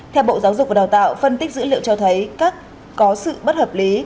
theo bộ giáo dục và đào tạo phân tích dữ liệu cho thấy các có sự bất hợp lý